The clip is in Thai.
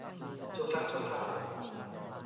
ชั่วครั้งชั่วคราว